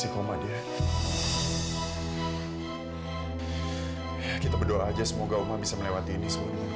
kita berdoa aja semoga bisa melewati ini